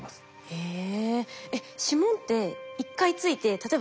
へえ。